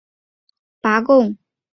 蒋兆鲲之父蒋德璟为拔贡。